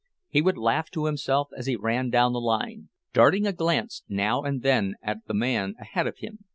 He would laugh to himself as he ran down the line, darting a glance now and then at the man ahead of him.